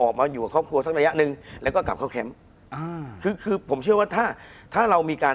คุณผู้ชมบางท่าอาจจะไม่เข้าใจที่พิเตียร์สาร